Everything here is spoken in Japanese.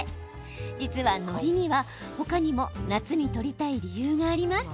実は、のりには、他にも夏にとりたい理由があります。